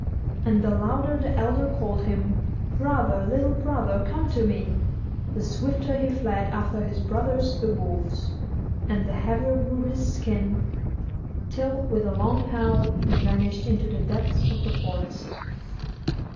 And the louder the elder called him, 'Brother, little brother, come to me,' the swifter he fled after his brothers the wolves, and the heavier grew his skin, till, with a long howl, he vanished into the depths of the forest.